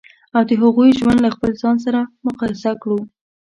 او د هغوی ژوند له خپل ځان سره مقایسه کړو.